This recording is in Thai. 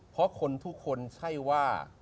เพราะคนทุกคนใช่ว่า